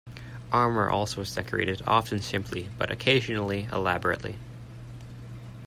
Armour also was decorated, often simply but occasionally elaborately.